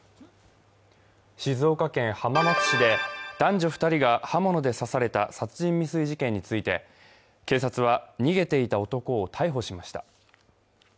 静岡県浜松市で男女２人が刃物で刺された殺人未遂事件について警察は逃げていた男を逮捕しました。